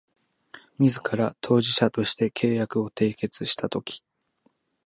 自ら当事者として契約を締結したとき